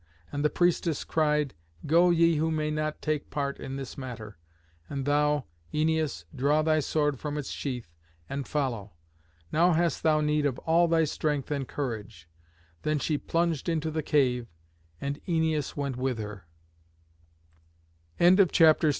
And the priestess cried, "Go ye who may not take part in this matter. And thou, Æneas, draw thy sword from its sheath and follow. Now hast thou need of all thy strength and courage." Then she plunged into the cave, and Æneas went with her. CHAPTER XIV.